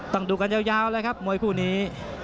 ต้องดูกันยาวเลยครับมวยคู่นี้